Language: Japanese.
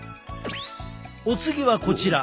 お次はこちら。